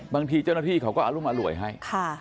บางทีเจ้าหน้าที่เขาก็อรุมอร่วยให้